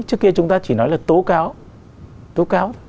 trước kia chúng ta chỉ nói là tố cáo tố cáo